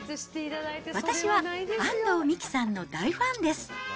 私は安藤美姫さんの大ファンです。